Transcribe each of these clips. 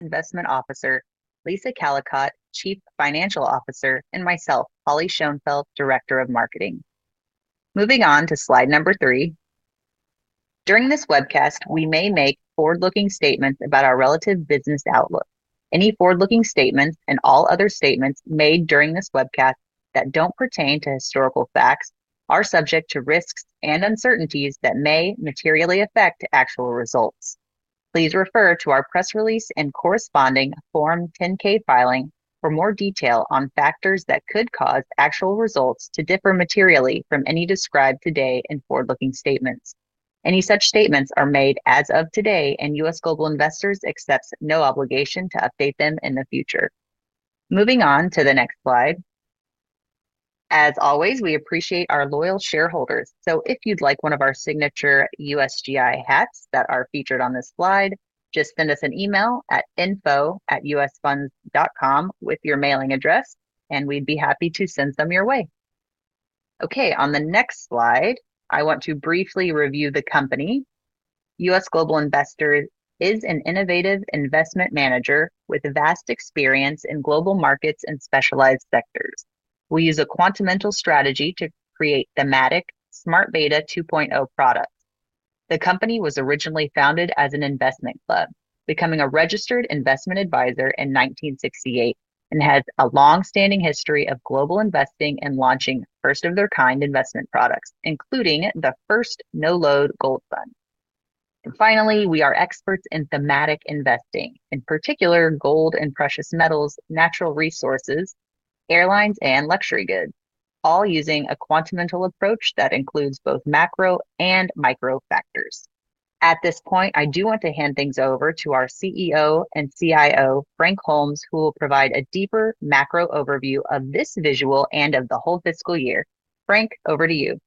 Investment Officer Lisa Callicotte, Chief Financial Officer, and myself, Holly Schoenfeldt, Director of Marketing. Moving on to slide number three. During this webcast, we may make forward-looking statements about our relative business outlook. Any forward-looking statements and all other statements made during this webcast that don't pertain to historical facts are subject to risks and uncertainties that may materially affect actual results. Please refer to our press release and corresponding Form 10-K filing for more detail on factors that could cause actual results to differ materially from any described today in forward-looking statements. Any such statements are made as of today, and U.S. Global Investors accepts no obligation to update them in the future. Moving on to the next slide. As always, we appreciate our loyal shareholders. If you'd like one of our signature USGI hats that are featured on this slide, just send us an email at info@usfunds.com with your mailing address, and we'd be happy to send some your way. On the next slide, I want to briefly review the company. U.S. Global Investors is an innovative investment manager with vast experience in global markets and specialized sectors. We use a quantamental strategy to create thematic Smart Beta 2.0 products. The company was originally founded as an investment club, becoming a registered investment advisor in 1968, and has a longstanding history of global investing and launching first-of-their-kind investment products, including the first no-load gold fund. We are experts in thematic investing, in particular gold and precious metals, natural resources, airlines, and luxury goods, all using a quantamental approach that includes both macro and micro factors. At this point, I do want to hand things over to our CEO and CIO, Frank Holmes, who will provide a deeper macro overview of this visual and of the whole fiscal year. Frank, over to you.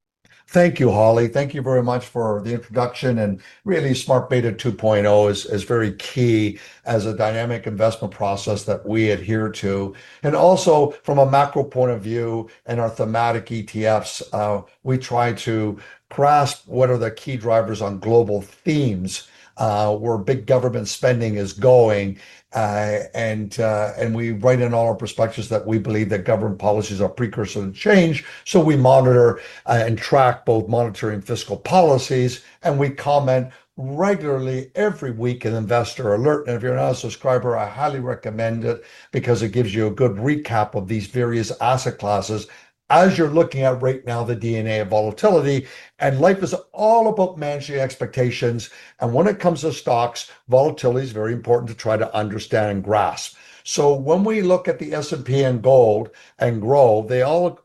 Thank you, Holly. Thank you very much for the introduction. Really, Smart Beta 2.0 is very key as a dynamic investment process that we adhere to. Also, from a macro point of view and our thematic ETFs, we try to grasp what are the key drivers on global themes where big government spending is going. We write in all our prospectus that we believe that government policies are precursors of change. We monitor and track both monetary and fiscal policies, and we comment regularly every week in Investor Alert. If you're not a subscriber, I highly recommend it because it gives you a good recap of these various asset classes as you're looking at right now the DNA of volatility. Life is all about managing expectations. When it comes to stocks, volatility is very important to try to understand and grasp. When we look at the S&P and gold and grow, they all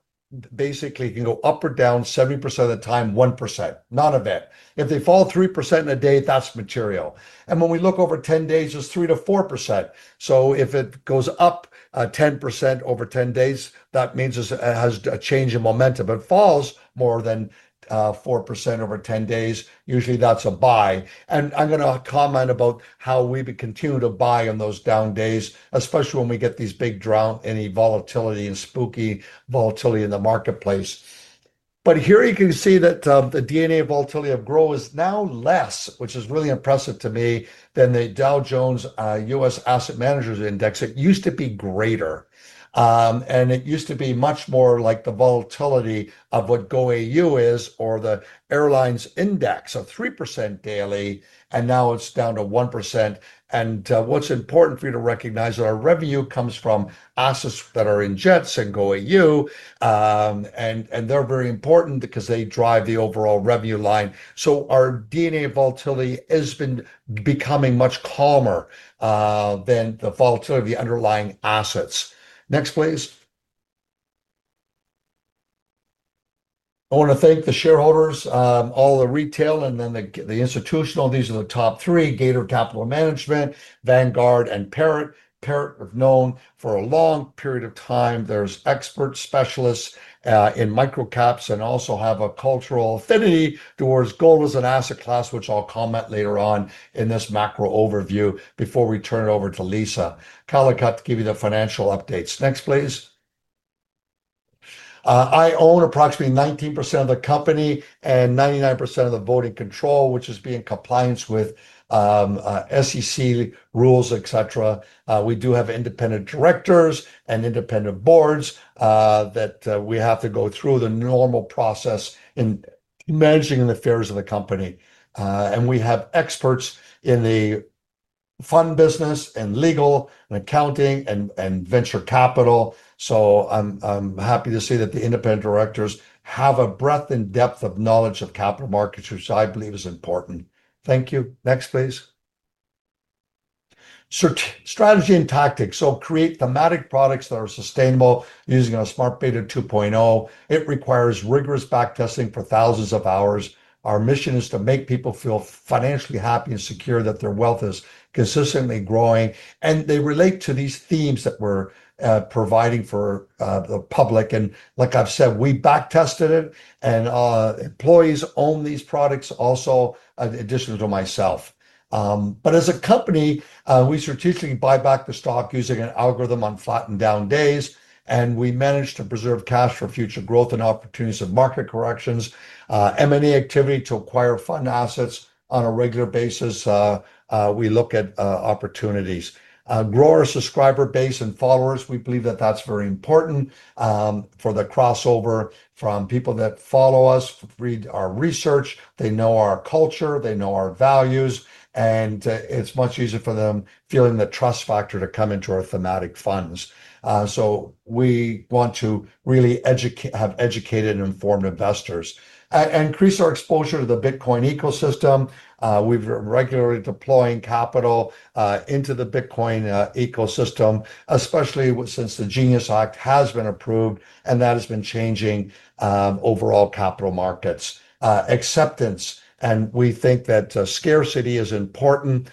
basically can go up or down 70% of the time, 1%, not a bit. If they fall 3% in a day, that's material. When we look over 10 days, it's 3% to 4%. If it goes up 10% over 10 days, that means it has a change in momentum. If it falls more than 4% over 10 days, usually that's a buy. I'm going to comment about how we continue to buy on those down days, especially when we get these big drowns in volatility and spooky volatility in the marketplace. Here you can see that the DNA of volatility of grow is now less, which is really impressive to me, than the Dow Jones U.S. Asset Managers Index. It used to be greater. It used to be much more like the volatility of what GOAU is or the Airlines Index. 3% daily, and now it's down to 1%. What's important for you to recognize is that our revenue comes from assets that are in JETS and GOAU. They're very important because they drive the overall revenue line. Our DNA of volatility has been becoming much calmer than the volatility of the underlying assets. Next, please? I want to thank the shareholders, all the retail and then the institutional. These are the top three: Gator Capital Management, Vanguard, and Perritt. Perritt I have known for a long period of time. They're experts, specialists in microcaps and also have a cultural affinity towards gold as an asset class, which I'll comment later on in this macro overview before we turn it over to Lisa Callicotte to give you the financial updates. Next, please? I own approximately 19% of the company and 99% of the voting control, which is being compliant with SEC rules, etc. We do have independent directors and independent boards that we have to go through the normal process in managing the affairs of the company. We have experts in the fund business and legal and accounting and venture capital. I'm happy to say that the independent directors have a breadth and depth of knowledge of capital markets, which I believe is important. Thank you. Next, please? Strategy and tactics. Create thematic products that are sustainable using our Smart Beta 2.0. It requires rigorous backtesting for thousands of hours. Our mission is to make people feel financially happy and secure that their wealth is consistently growing. They relate to these themes that we're providing for the public. Like I've said, we backtested it, and employees own these products also, in addition to myself. As a company, we strategically buy back the stock using an algorithm on flattened down days, and we manage to preserve cash for future growth and opportunities of market corrections. M&A activity to acquire fund assets on a regular basis. We look at opportunities. Grow our subscriber base and followers. We believe that that's very important for the crossover from people that follow us, read our research, they know our culture, they know our values, and it's much easier for them feeling the trust factor to come into our thematic funds. We want to really have educated and informed investors. Increase our exposure to the Bitcoin ecosystem. We're regularly deploying capital into the Bitcoin ecosystem, especially since the Genius Act has been approved, and that has been changing overall capital market acceptance. We think that scarcity is important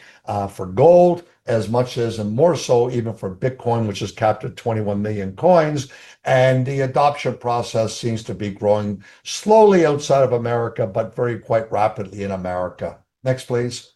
for gold as much as, and more so even for Bitcoin, which has captured 21 million coins. The adoption process seems to be growing slowly outside of America, but very quite rapidly in America. Next, please?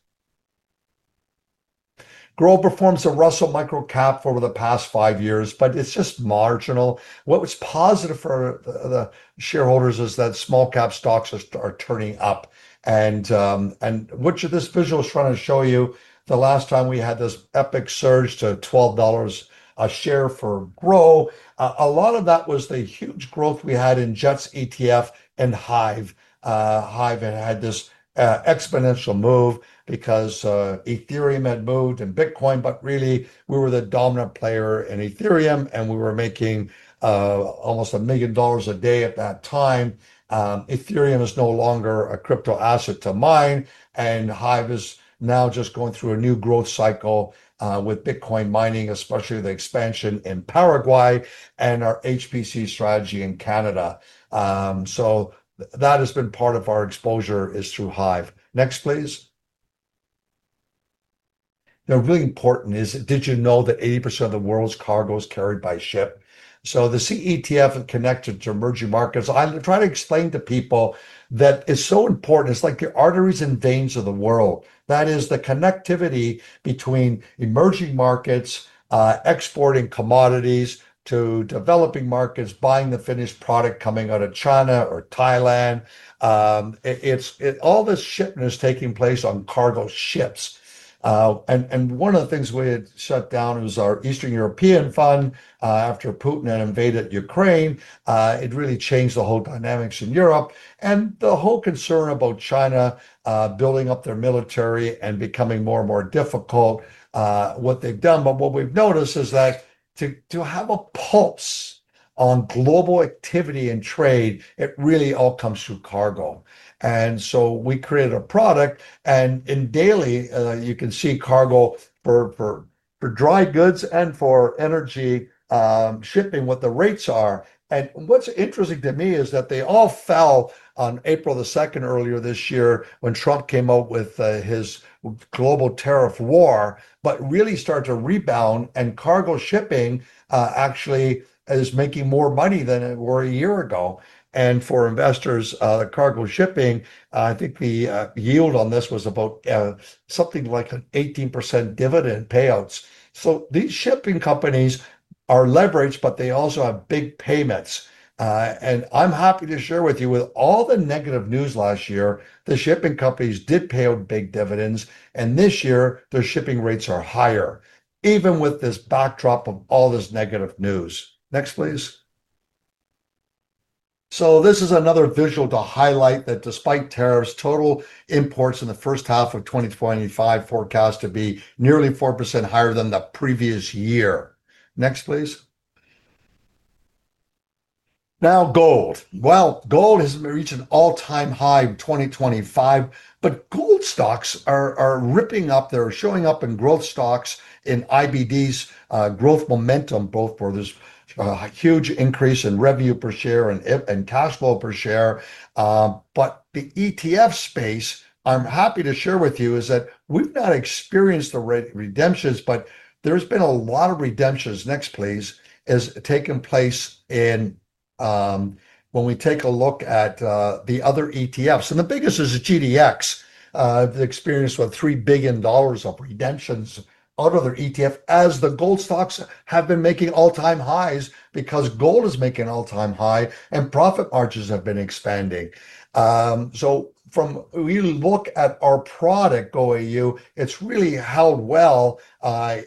Grow performs a Russell microcap over the past five years, but it's just marginal. What's positive for the shareholders is that small cap stocks are turning up. What this visual is trying to show you, the last time we had this epic surge to $12 a share for Grow, a lot of that was the huge growth we had in JETS ETF and Hive. Hive had this exponential move because Ethereum had moved and Bitcoin, but really we were the dominant player in Ethereum, and we were making almost $1 million a day at that time. Ethereum is no longer a crypto asset to mine, and Hive is now just going through a new growth cycle with Bitcoin mining, especially the expansion in Paraguay and our HPC strategy in Canada. That has been part of our exposure is through Hive. Next, please? Really important is, did you know that 80% of the world's cargo is carried by ship? The SEA ETF is connected to emerging markets. I try to explain to people that it's so important. It's like the arteries and veins of the world. That is the connectivity between emerging markets, exporting commodities to developing markets, buying the finished product coming out of China or Thailand. All this shipment is taking place on cargo ships. One of the things we had shut down is our Eastern European Fund after Putin invaded Ukraine. It really changed the whole dynamics in Europe. The whole concern about China building up their military and becoming more and more difficult, what they've done. What we've noticed is that to have a pulse on global activity and trade, it really all comes through cargo. We created a product, and in daily, you can see cargo for dry goods and for energy shipping what the rates are. What's interesting to me is that they all fell on April 2 earlier this year when Trump came out with his global tariff war, but really started to rebound. Cargo shipping actually is making more money than it were a year ago. For investors, cargo shipping, I think the yield on this was about something like 18% dividend payouts. These shipping companies are leveraged, but they also have big payments. I'm happy to share with you with all the negative news last year, the shipping companies did pay out big dividends, and this year their shipping rates are higher, even with this backdrop of all this negative news. Next, please? This is another visual to highlight that despite tariffs, total imports in the first half of 2025 forecast to be nearly 4% higher than the previous year. Next, please? Now gold. Gold has reached an all-time high in 2025, but gold stocks are ripping up. They're showing up in growth stocks in IBD's growth momentum, both where there's a huge increase in revenue per share and cash flow per share. The ETF space, I'm happy to share with you is that we've not experienced the redemptions, but there's been a lot of redemptions. Next, please? It's taken place in when we take a look at the other ETFs. The biggest is the TDX. They've experienced about $3 billion of redemptions out of their ETF as the gold stocks have been making all-time highs because gold is making an all-time high and profit margins have been expanding. From when we look at our product, GOAU, it's really held well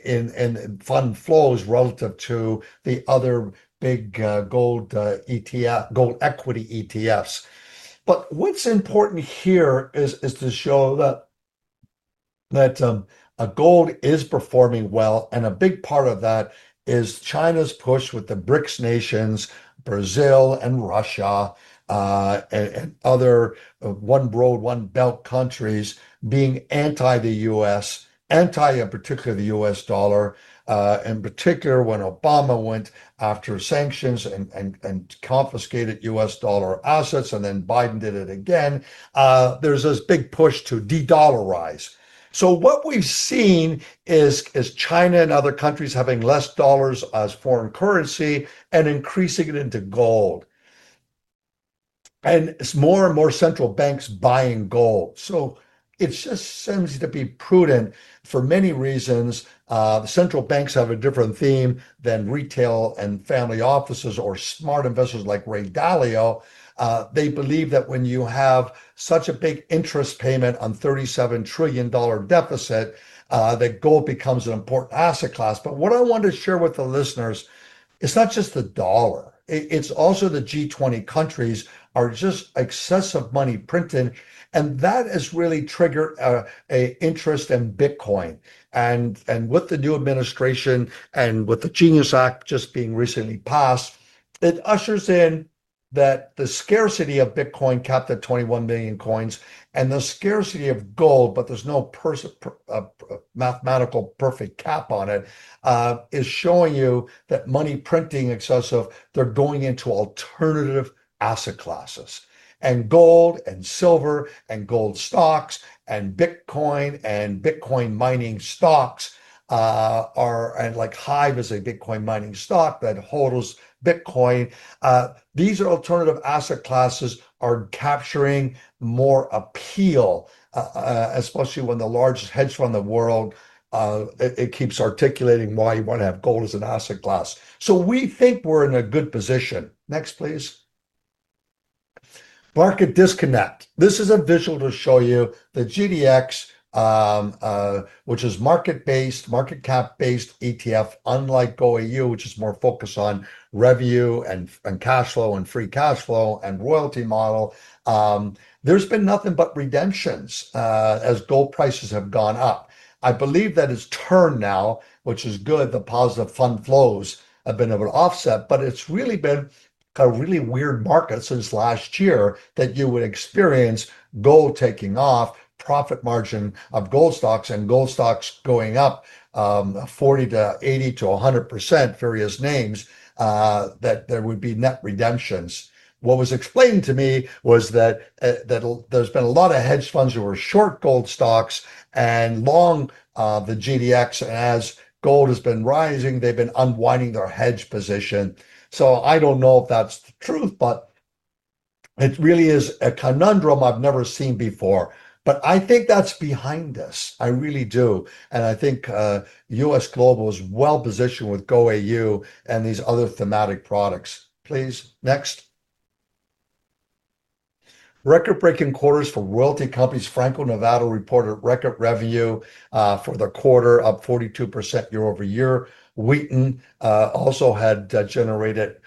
in fund flows relative to the other big gold equity ETFs. What's important here is to show that gold is performing well, and a big part of that is China's push with the BRICS nations, Brazil and Russia, and other One Belt, One Road countries being anti the U.S., anti in particular the U.S. dollar. In particular, when Obama went after sanctions and confiscated U.S. dollar assets, and then Biden did it again, there's this big push to de-dollarize. What we've seen is China and other countries having less dollars as foreign currency and increasing it into gold. It's more and more central banks buying gold. It just seems to be prudent for many reasons. Central banks have a different theme than retail and family offices or smart investors like Ray Dalio. They believe that when you have such a big interest payment on a $37 trillion deficit, gold becomes an important asset class. What I want to share with the listeners is it's not just the dollar. The G20 countries are just excessive money printing, and that has really triggered an interest in Bitcoin. With the new administration and with the Genius Act just being recently passed, it ushers in that the scarcity of Bitcoin capped at 21 million coins and the scarcity of gold, but there's no mathematical perfect cap on it, is showing you that money printing excessive, they're going into alternative asset classes. Gold and silver and gold stocks and Bitcoin and Bitcoin mining stocks are, and like Hive is a Bitcoin mining stock that holds Bitcoin, these alternative asset classes are capturing more appeal, especially when the largest hedge fund in the world keeps articulating why you want to have gold as an asset class. We think we're in a good position. Next, please? Market disconnect. This is a visual to show you the GDX, which is market-cap-based ETF, unlike GOAU, which is more focused on revenue and cash flow and free cash flow and royalty model. There's been nothing but redemptions as gold prices have gone up. I believe that it's turned now, which is good. The positive fund flows have been able to offset, but it's really been a really weird market since last year that you would experience gold taking off, profit margin of gold stocks, and gold stocks going up 40% to 80% to 100%, various names, that there would be net redemptions. What was explained to me was that there's been a lot of hedge funds who were short gold stocks and long the GDX, and as gold has been rising, they've been unwinding their hedge position. I don't know if that's the truth, but it really is a conundrum I've never seen before. I think that's behind us. I really do. I think U.S. Global Investors is well positioned with GOAU and these other thematic products. Please, next? Record-breaking quarters for royalty companies. Franco Nevada reported record revenue for the quarter, up 42% year over year. Wheaton also had generated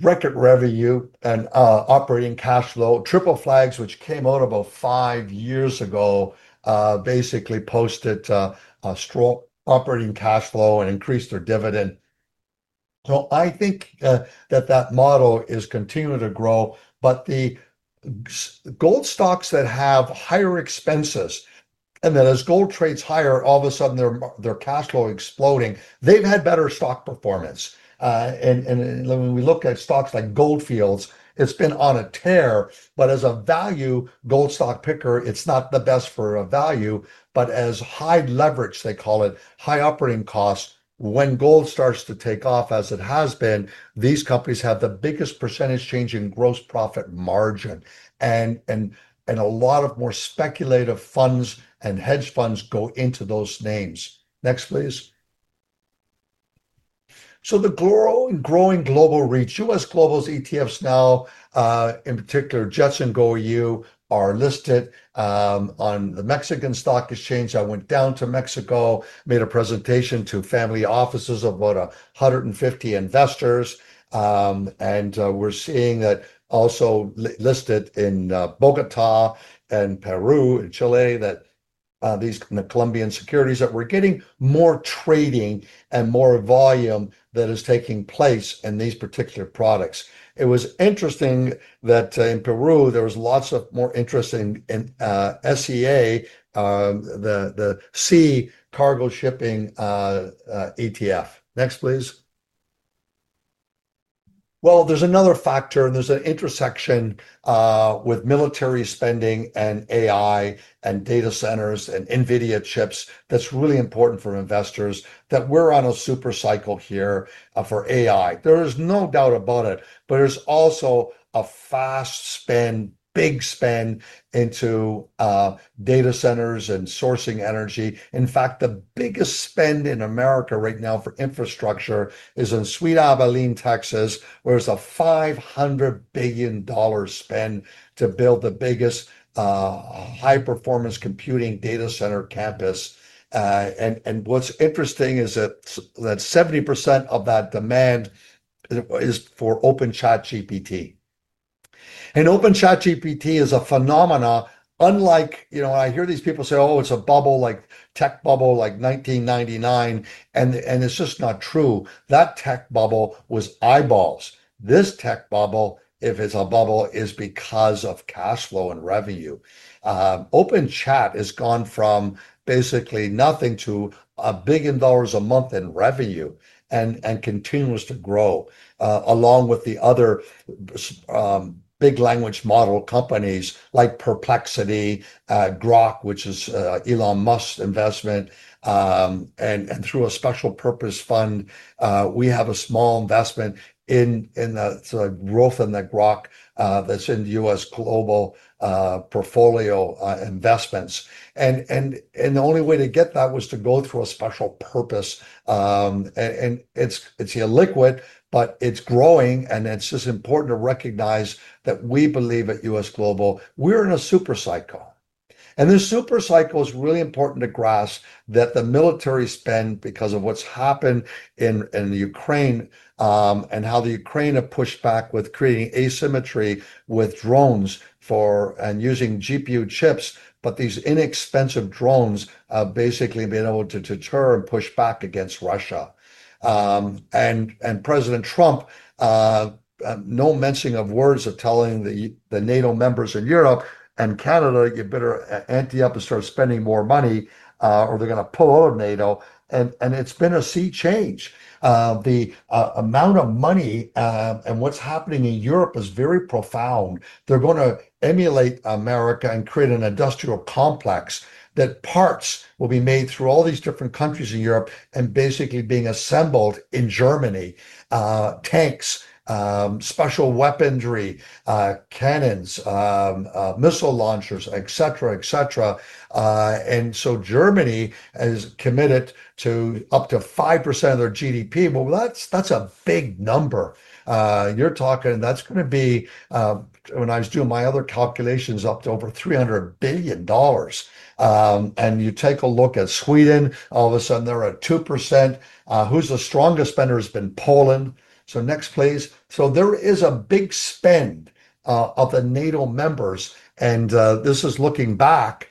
record revenue and operating cash flow, Triple Flag, which came out about five years ago, basically posted a strong operating cash flow and increased their dividend. I think that that model is continuing to grow, but the gold stocks that have higher expenses and that as gold trades higher, all of a sudden their cash flow is exploding. They've had better stock performance. When we look at stocks like Goldfields, it's been on a tear, but as a value gold stock picker, it's not the best for a value, but as high leverage, they call it, high operating costs, when gold starts to take off as it has been, these companies have the biggest percentage change in gross profit margin. A lot of more speculative funds and hedge funds go into those names. Next, please? The growing global reach, U.S. Global Investors' ETFs now, in particular, JETS and GOAU are listed on the Mexican Stock Exchange. I went down to Mexico, made a presentation to family offices of about 150 investors. We're seeing that also listed in Bogotá and Peru and Chile that these Colombian securities that we're getting more trading and more volume that is taking place in these particular products. It was interesting that in Peru, there was lots of more interest in SEA, the SEA ETF. Next, please. There's another factor, and there's an intersection with military spending and AI and data centers and NVIDIA chips that's really important for investors that we're on a super cycle here for AI. There is no doubt about it, but there's also a fast spend, big spend into data centers and sourcing energy. In fact, the biggest spend in America right now for infrastructure is in Sweet Abilene, Texas, where there's a $500 billion spend to build the biggest high-performance computing data center campus. What's interesting is that 70% of that demand is for Open Chat GPT. Open Chat GPT is a phenomenon, unlike, you know, I hear these people say, oh, it's a bubble, like tech bubble, like 1999, and it's just not true. That tech bubble was eyeballs. This tech bubble, if it's a bubble, is because of cash flow and revenue. Open Chat has gone from basically nothing to a billion dollars a month in revenue and continues to grow along with the other big language model companies like Perplexity, Grok, which is Elon Musk's investment, and through a special purpose fund, we have a small investment in the growth in the Grok that's in the U.S. Global Investors portfolio investments. The only way to get that was to go through a special purpose. It's illiquid, but it's growing, and it's just important to recognize that we believe at U.S. Global Investors, we're in a super cycle. This super cycle is really important to grasp that the military spend because of what's happened in Ukraine and how the Ukraine pushed back with creating asymmetry with drones and using GPU chips, but these inexpensive drones have basically been able to deter and push back against Russia. President Trump, no mention of words of telling the NATO members in Europe and Canada, you better amp it up and start spending more money, or they're going to pull out of NATO. It's been a sea change. The amount of money and what's happening in Europe is very profound. They're going to emulate America and create an industrial complex that parts will be made through all these different countries in Europe and basically being assembled in Germany. Tanks, special weaponry, cannons, missile launchers, etc., etc. Germany is committed to up to 5% of their GDP. That's a big number. You're talking that's going to be, when I was doing my other calculations, up to over $300 billion. You take a look at Sweden, all of a sudden they're at 2%. Who's the strongest spender? It's been Poland. Next, please. There is a big spend of the NATO members, and this is looking back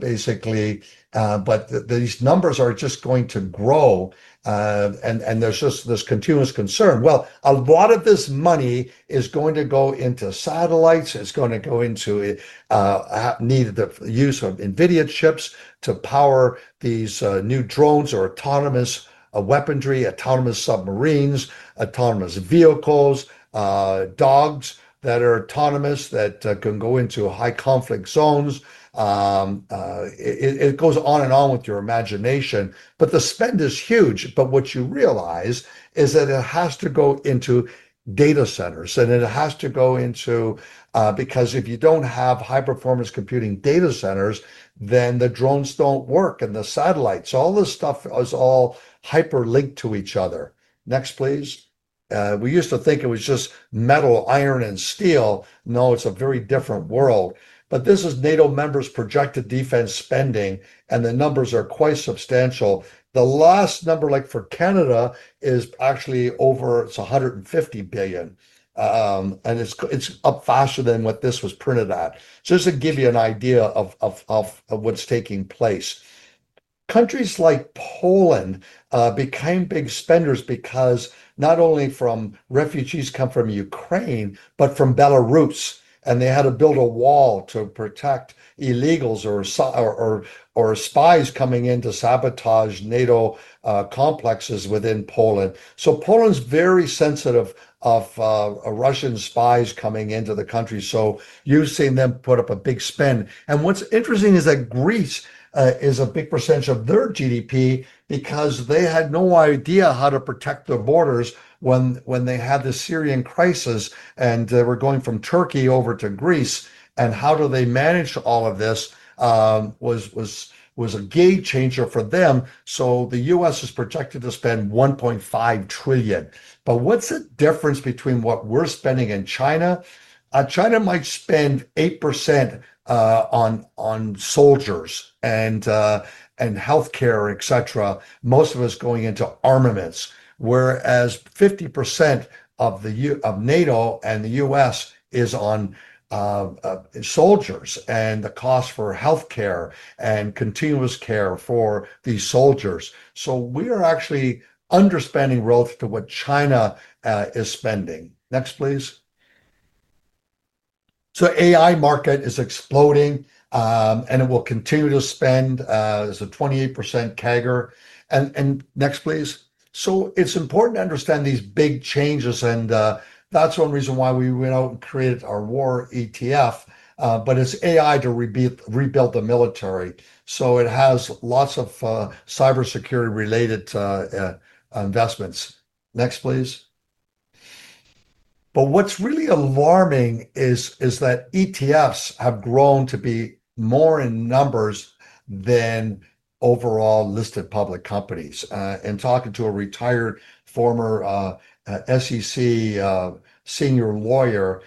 basically, but these numbers are just going to grow, and there's just this continuous concern. A lot of this money is going to go into satellites. It's going to go into the need of the use of NVIDIA chips to power these new drones or autonomous weaponry, autonomous submarines, autonomous vehicles, dogs that are autonomous that can go into high conflict zones. It goes on and on with your imagination. The spend is huge. What you realize is that it has to go into data centers, and it has to go into, because if you don't have high-performance computing data centers, then the drones don't work and the satellites. All this stuff is all hyperlinked to each other. Next, please. We used to think it was just metal, iron, and steel. No, it's a very different world. This is NATO members' projected defense spending, and the numbers are quite substantial. The last number, like for Canada, is actually over, it's $150 billion. It's up faster than what this was printed at. Just to give you an idea of what's taking place. Countries like Poland became big spenders because not only from refugees come from Ukraine, but from Belarus, and they had to build a wall to protect illegals or spies coming in to sabotage NATO complexes within Poland. Poland's very sensitive of Russian spies coming into the country. You've seen them put up a big spend. What's interesting is that Greece is a big percentage of their GDP because they had no idea how to protect their borders when they had the Syrian crisis and they were going from Turkey over to Greece. How do they manage all of this was a game changer for them. The U.S. is projected to spend $1.5 trillion. What's the difference between what we're spending in China? China might spend 8% on soldiers and healthcare, etc. Most of it's going into armaments, whereas 50% of NATO and the U.S. is on soldiers and the cost for healthcare and continuous care for these soldiers. We are actually underspending growth to what China is spending. Next, please. The AI market is exploding, and it will continue to spend. It's a 28% CAGR. Next, please. It's important to understand these big changes, and that's one reason why we went out and created our war ETF. It's AI to rebuild the military. It has lots of cybersecurity-related investments. Next, please. What's really alarming is that ETFs have grown to be more in numbers than overall listed public companies. In talking to a retired former SEC Senior Lawyer,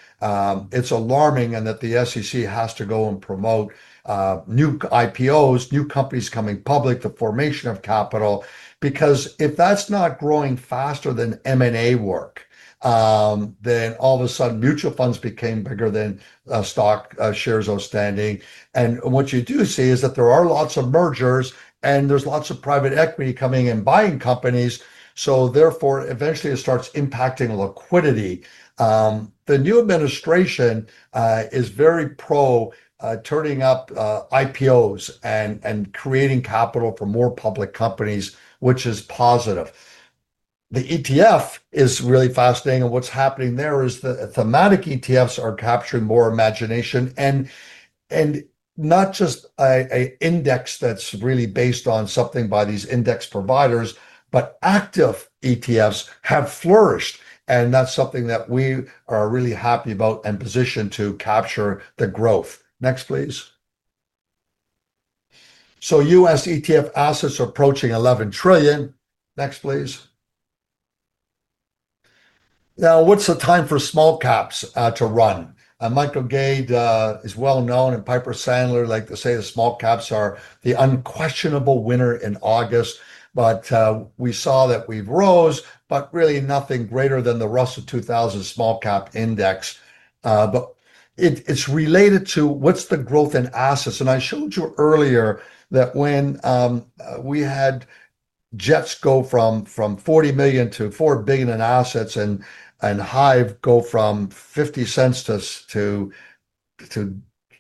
it's alarming that the SEC has to go and promote new IPOs, new companies coming public, the formation of capital, because if that's not growing faster than M&A work, then all of a sudden mutual funds became bigger than stock shares outstanding. What you do see is that there are lots of mergers, and there's lots of private equity coming and buying companies. Therefore, eventually it starts impacting liquidity. The new administration is very pro turning up IPOs and creating capital for more public companies, which is positive. The ETF is really fascinating, and what's happening there is that thematic ETFs are capturing more imagination and not just an index that's really based on something by these index providers, but active ETFs have flourished, and that's something that we are really happy about and positioned to capture the growth. Next, please. U.S. ETF assets are approaching $11 trillion. Next, please. Now, what's the time for small caps to run? Michael Gates is well known, and Piper Sandler likes to say the small caps are the unquestionable winner in August. We saw that we've rose, but really nothing greater than the Russell 2000 small cap index. It's related to what's the growth in assets. I showed you earlier that when we had JETS go from $40 million to $4 billion in assets and HIVE go from $0.50 to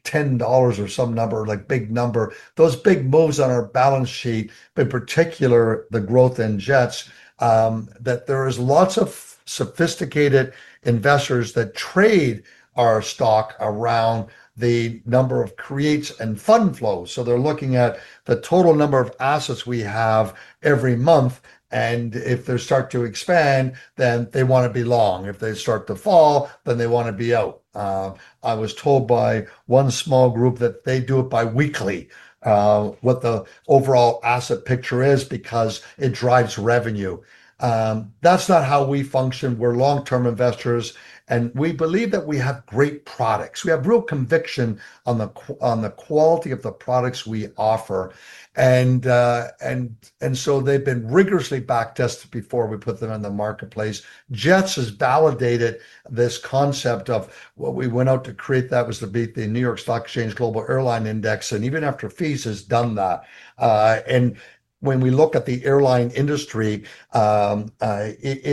$10 or some number, like big number, those big moves on our balance sheet, but in particular the growth in JETS, that there are lots of sophisticated investors that trade our stock around the number of creates and fund flows. They're looking at the total number of assets we have every month, and if they start to expand, then they want to be long. If they start to fall, then they want to be out. I was told by one small group that they do it biweekly, what the overall asset picture is because it drives revenue. That's not how we function. We're long-term investors, and we believe that we have great products. We have real conviction on the quality of the products we offer. They've been rigorously backtested before we put them in the marketplace. JETS has validated this concept of what we went out to create. That was to beat the New York Stock Exchange Global Airline Index, and even after fees has done that. When we look at the airline industry, it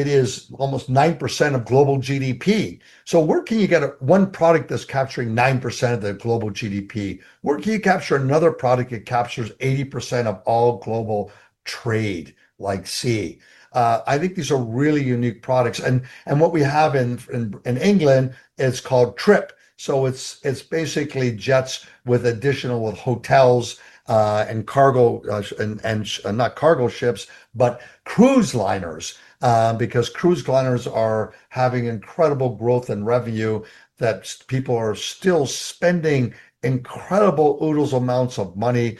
is almost 9% of global GDP. Where can you get one product that's capturing 9% of the global GDP? Where can you capture another product that captures 80% of all global trade, like SEA? I think these are really unique products. What we have in England is called TRIP. It's basically JETS with additional hotels and cruise liners, because cruise liners are having incredible growth in revenue. People are still spending incredible oodles amounts of money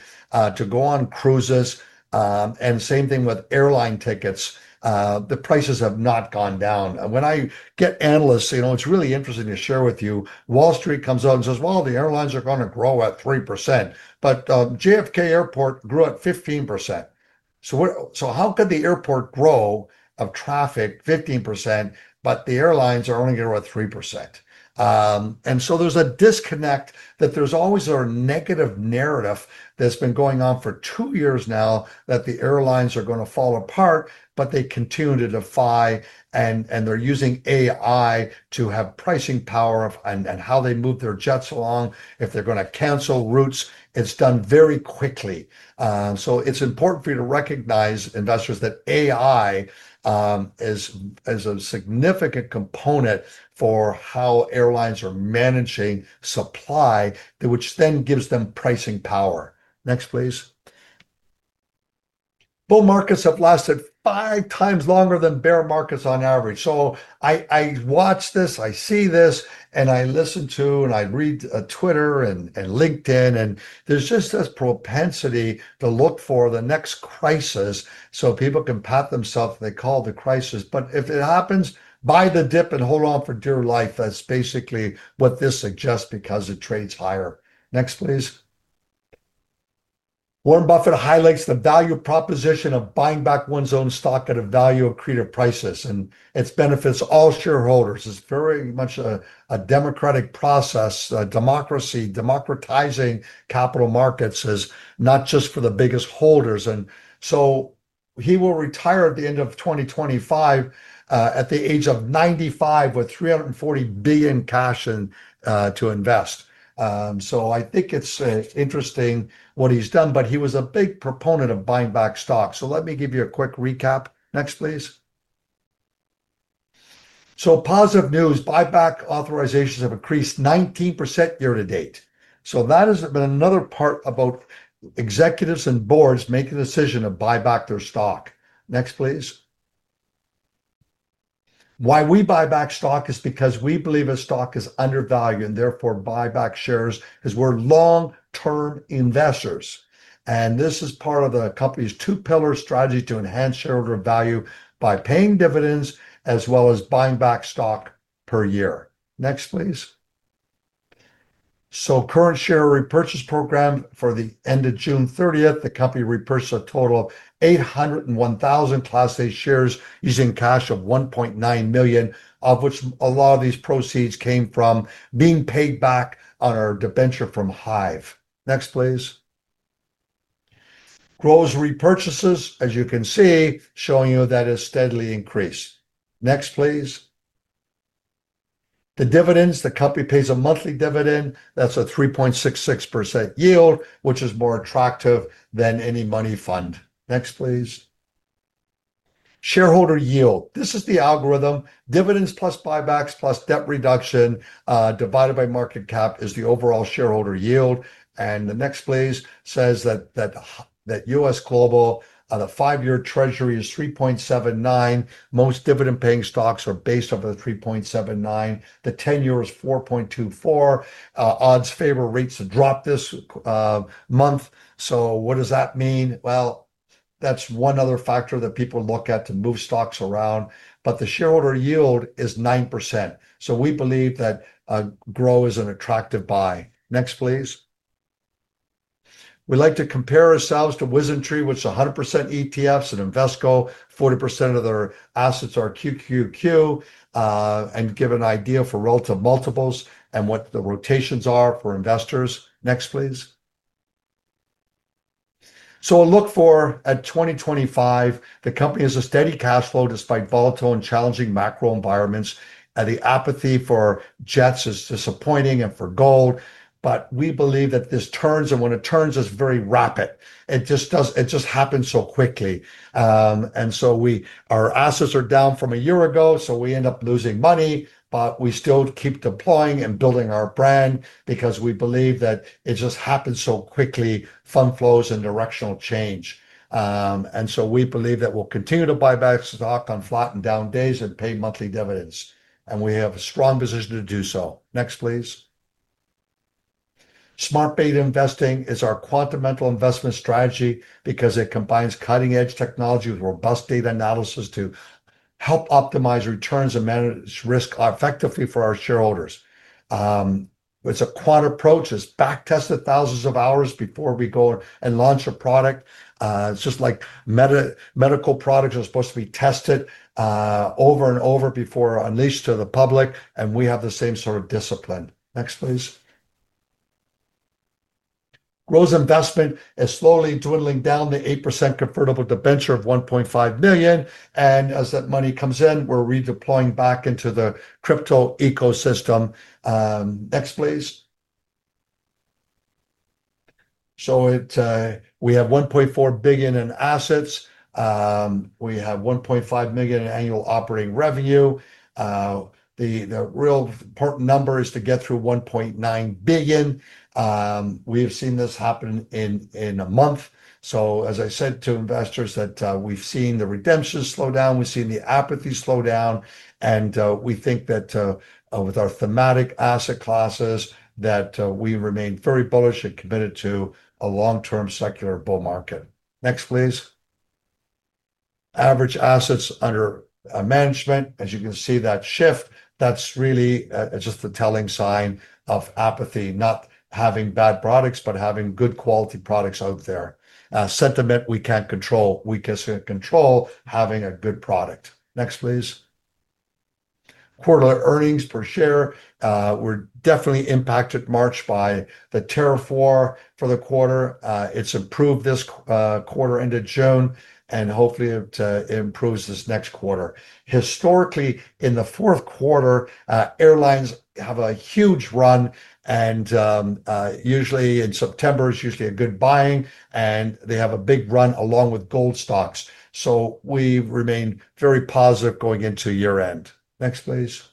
to go on cruises. Same thing with airline tickets. The prices have not gone down. When I get analysts, it's really interesting to share with you. Wall Street comes out and says the airlines are going to grow at 3%, but JFK Airport grew at 15%. How could the airport grow traffic 15%, but the airlines are only going to grow at 3%? There's a disconnect. There's always a negative narrative that's been going on for two years now that the airlines are going to fall apart, but they continue to defy, and they're using AI to have pricing power and how they move their jets along. If they're going to cancel routes, it's done very quickly. It's important for you to recognize, investors, that AI is a significant component for how airlines are managing supply, which then gives them pricing power. Next, please. Bull markets have lasted five times longer than bear markets on average. I watch this, I see this, and I listen to and read Twitter and LinkedIn, and there's just this propensity to look for the next crisis so people can pat themselves if they call the crisis. If it happens, buy the dip and hold on for dear life. That's basically what this suggests because it trades higher. Next, please. Warren Buffett highlights the value proposition of buying back one's own stock at value-accretive prices, and its benefits all shareholders. It's very much a democratic process. Democracy, democratizing capital markets is not just for the biggest holders. He will retire at the end of 2025 at the age of 95 with $340 billion cash to invest. I think it's interesting what he's done, but he was a big proponent of buying back stock. Let me give you a quick recap. Next, please. Positive news, buyback authorizations have increased 19% year to date. That has been another part about executives and boards making a decision to buy back their stock. Next, please. Why we buy back stock is because we believe a stock is undervalued and therefore buy back shares because we're long-term investors. This is part of the company's two-pillar strategy to enhance shareholder value by paying dividends as well as buying back stock per year. Next, please. The current share repurchase program for the end of June 30, the company repurchased a total of 801,000 Class A shares using cash of $1.9 million, of which a lot of these proceeds came from being paid back on our debenture from Hive. Next, please. Growth repurchases, as you can see, showing you that it's steadily increased. Next, please. The dividends, the company pays a monthly dividend. That's a 3.66% yield, which is more attractive than any money fund. Next, please. Shareholder yield. This is the algorithm. Dividends plus buybacks plus debt reduction divided by market cap is the overall shareholder yield. The next place says that U.S. Global, the five-year treasury is 3.79%. Most dividend-paying stocks are based on the 3.79%. The 10-year is 4.24%. Odds favor rates to drop this month. That is one other factor that people look at to move stocks around. The shareholder yield is 9%. We believe that grow is an attractive buy. Next, please. We like to compare ourselves to WisdomTree, which is 100% ETFs, and Invesco. 40% of their assets are QQQ and give an idea for relative multiples and what the rotations are for investors. Next, please. A look for at 2025. The company has a steady cash flow despite volatile and challenging macro environments. The apathy for JETS is disappointing and for gold. We believe that this turns, and when it turns, it's very rapid. It just happens so quickly. Our assets are down from a year ago, so we end up losing money, but we still keep deploying and building our brand because we believe that it just happens so quickly, fund flows and directional change. We believe that we'll continue to buy back stock on flat and down days and pay monthly dividends. We have a strong position to do so. Next, please. Smart Beta Investing is our quantamental investment strategy because it combines cutting-edge technology with robust data analysis to help optimize returns and manage risk effectively for our shareholders. It's a quant approach. It's backtested thousands of hours before we go and launch a product. It's just like medical products are supposed to be tested over and over before unleashed to the public, and we have the same sort of discipline. Next, please. Growth investment is slowly dwindling down the 8% convertible debenture of $1.5 million. As that money comes in, we're redeploying back into the crypto ecosystem. Next, please. We have $1.4 billion in assets. We have $1.5 million in annual operating revenue. The real important number is to get through $1.9 billion. We have seen this happen in a month. As I said to investors, we've seen the redemption slow down, we've seen the apathy slow down, and we think that with our thematic asset classes we remain very bullish and committed to a long-term secular bull market. Next, please. Average assets under management, as you can see that shift, that's really just a telling sign of apathy, not having bad products, but having good quality products out there. Sentiment we can't control. We can control having a good product. Next, please. Quarterly earnings per share. We're definitely impacted much by the tariff war for the quarter. It's improved this quarter into June, and hopefully it improves this next quarter. Historically, in the fourth quarter, airlines have a huge run, and usually in September is usually a good buying, and they have a big run along with gold stocks. We remain very positive going into year-end. Next, please.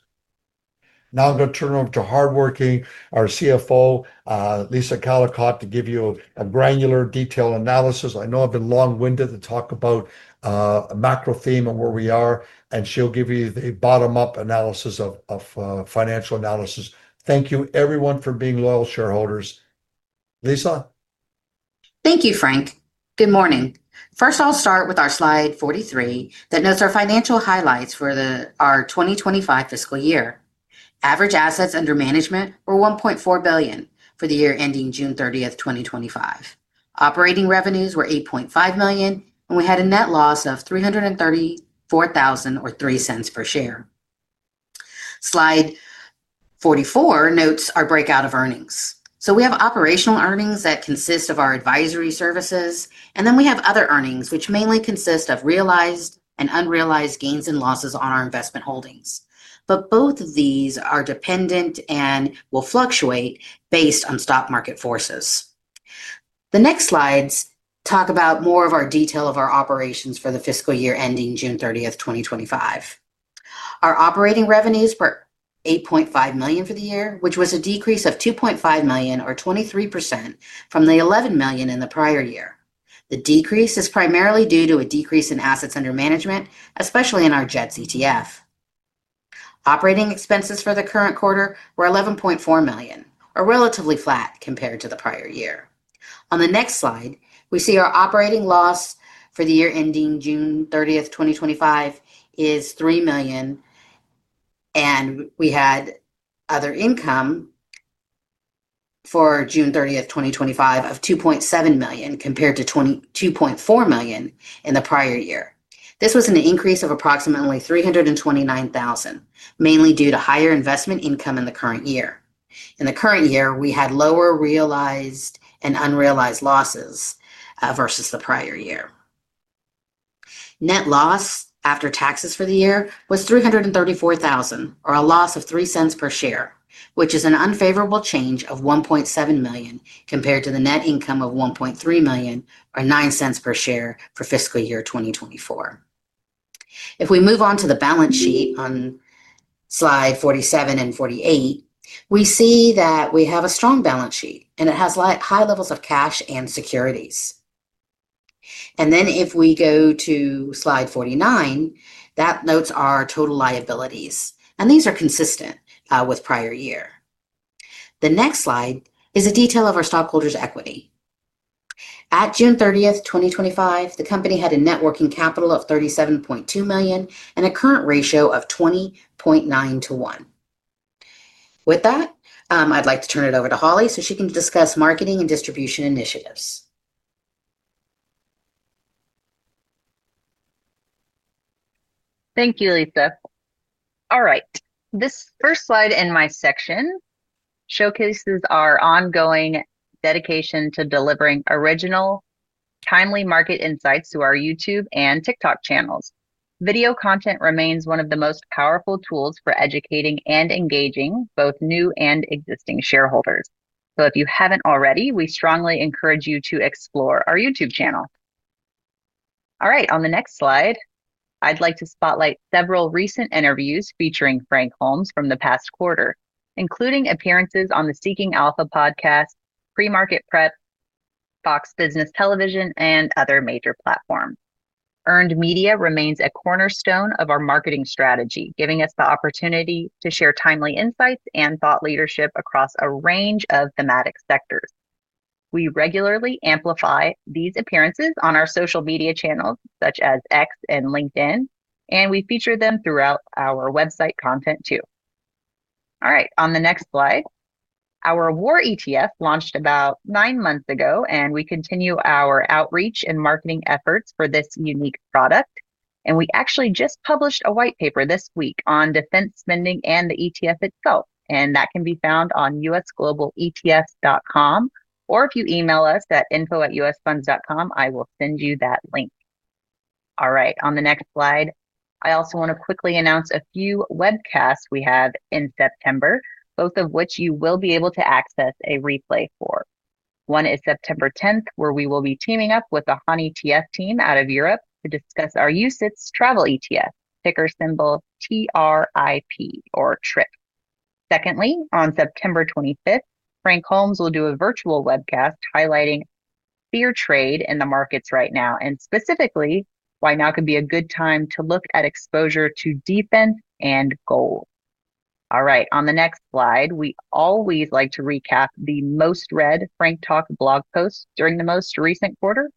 Now I'm going to turn it over to hardworking our Chief Financial Officer, Lisa Callicotte, to give you a granular detailed analysis. I know I've been long-winded to talk about a macro theme and where we are, and she'll give you the bottom-up analysis of financial analysis. Thank you everyone for being loyal shareholders. Lisa. Thank you, Frank. Good morning. First, I'll start with our slide 43 that notes our financial highlights for our 2025 fiscal year. Average assets under management were $1.4 billion for the year ending June 30, 2025. Operating revenues were $8.5 million, and we had a net loss of $334,000, or $0.03 per share. Slide 44 notes our breakout of earnings. We have operational earnings that consist of our advisory services, and then we have other earnings, which mainly consist of realized and unrealized gains and losses on our investment holdings. Both of these are dependent and will fluctuate based on stock market forces. The next slides talk about more of our detail of our operations for the fiscal year ending June 30, 2025. Our operating revenues were $8.5 million for the year, which was a decrease of $2.5 million, or 23% from the $11 million in the prior year. The decrease is primarily due to a decrease in assets under management, especially in our JETS ETF. Operating expenses for the current quarter were $11.4 million, relatively flat compared to the prior year. On the next slide, we see our operating loss for the year ending June 30, 2025 is $3 million, and we had other income for June 30, 2025 of $2.7 million compared to $2.4 million in the prior year. This was an increase of approximately $329,000, mainly due to higher investment income in the current year. In the current year, we had lower realized and unrealized losses versus the prior year. Net loss after taxes for the year was $334,000, or a loss of $0.03 per share, which is an unfavorable change of $1.7 million compared to the net income of $1.3 million, or $0.09 per share for fiscal year 2024. If we move on to the balance sheet on slide 47 and 48, we see that we have a strong balance sheet, and it has high levels of cash and securities. If we go to slide 49, that notes our total liabilities, and these are consistent with prior year. The next slide is a detail of our stockholders' equity. At June 30, 2025, the company had a net working capital of $37.2 million and a current ratio of 20.9 to 1. With that, I'd like to turn it over to Holly so she can discuss marketing and distribution initiatives. Thank you, Lisa. All right. This first slide in my section showcases our ongoing dedication to delivering original, timely market insights to our YouTube and TikTok channels. Video content remains one of the most powerful tools for educating and engaging both new and existing shareholders. If you haven't already, we strongly encourage you to explore our YouTube channel. All right, on the next slide, I'd like to spotlight several recent interviews featuring Frank Holmes from the past quarter, including appearances on the Seeking Alpha podcast, Pre-Market Prep, Fox Business Television, and other major platforms. Earned media remains a cornerstone of our marketing strategy, giving us the opportunity to share timely insights and thought leadership across a range of thematic sectors. We regularly amplify these appearances on our social media channels, such as X and LinkedIn, and we feature them throughout our website content too. On the next slide, our war ETF launched about nine months ago, and we continue our outreach and marketing efforts for this unique product. We actually just published a white paper this week on defense spending and the ETF itself, and that can be found on usglobaletfs.com, or if you email us at info@usfunds.com, I will send you that link. On the next slide, I also want to quickly announce a few webcasts we have in September, both of which you will be able to access a replay for. One is September 10th, where we will be teaming up with the Honey TF team out of Europe to discuss our usage travel ETF, ticker symbol TRIP or Trip. Secondly, on September 25th, Frank Holmes will do a virtual webcast highlighting fear trade in the markets right now, and specifically why now could be a good time to look at exposure to defense and gold. On the next slide, we always like to recap the most read Frank Talk blog posts during the most recent quarter.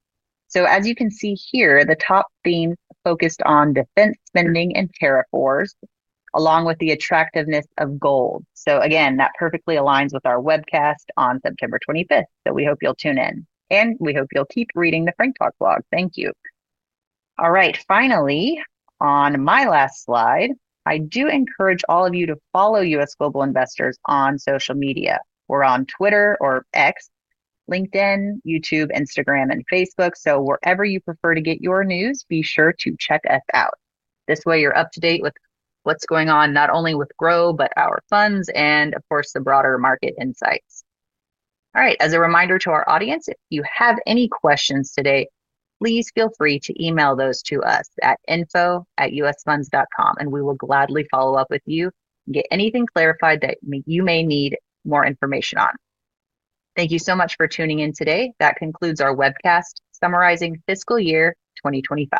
As you can see here, the top theme focused on defense spending and tariff wars, along with the attractiveness of gold. That perfectly aligns with our webcast on September 25th. We hope you'll tune in, and we hope you'll keep reading the Frank Talk blog. Thank you. Finally, on my last slide, I do encourage all of you to follow U.S. Global Investors on social media. We're on Twitter or X, LinkedIn, YouTube, Instagram, and Facebook. Wherever you prefer to get your news, be sure to check us out. This way, you're up to date with what's going on, not only with GROW, but our funds and, of course, the broader market insights. As a reminder to our audience, if you have any questions today, please feel free to email those to us at info@usfunds.com, and we will gladly follow up with you and get anything clarified that you may need more information on. Thank you so much for tuning in today. That concludes our webcast summarizing fiscal year 2025.